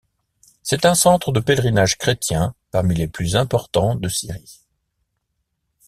C'est un centre de pèlerinage chrétien parmi les plus importants de Syrie.